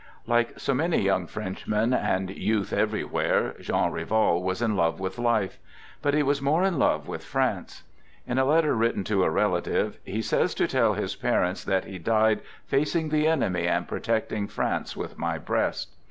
" Like so many young Frenchmen, and youth every where, Jean Rival was in love with life. But he was more in love with France. In a letter written to a relative he says to tell his parents that he died I" facing the enemy and protecting France with my breast."